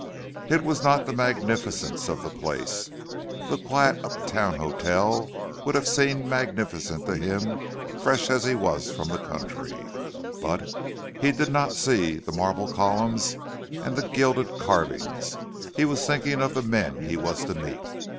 It was not the magnificence of the place. The quiet uptown hotel would have seemed magnificent to him, fresh as he was from the country; but, he did not see the marble columns and the gilded carvings he was thinking of the men he was to meet.